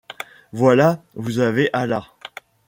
Voilà, vous avez Halla.